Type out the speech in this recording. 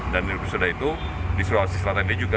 dan lebih sudah itu di sulawesi selatan ini juga